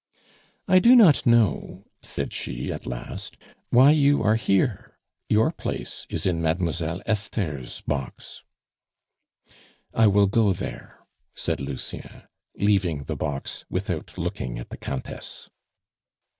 "I do not know," said she at last, "why you are here; your place is in Mademoiselle Esther's box " "I will go there," said Lucien, leaving the box without looking at the Countess.